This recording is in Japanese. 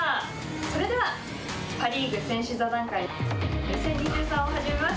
それではパ・リーグ選手座談会２０２３を始めます。